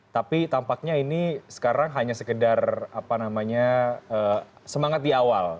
tapi tampaknya ini sekarang hanya sekedar semangat di awal